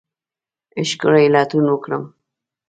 ښکلې لټون وکرم